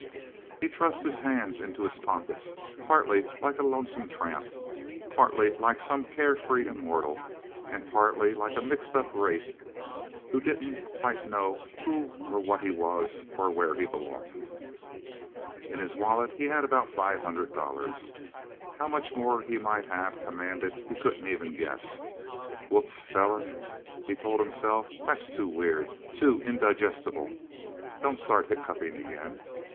He thrust his hands into his pockets, partly like a lonesome tramp, partly like some carefree immortal, and partly like a mixed up wraith who didn't quite know who or what he was, or where he belonged. In his wallet he had about five hundred dollars. How much more he might have commanded, he couldn't even guess. Wups, fella, he told himself. That's too weird, too indigestible don't start hiccuping again.